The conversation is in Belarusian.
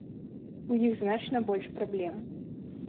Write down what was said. У іх значна больш праблем.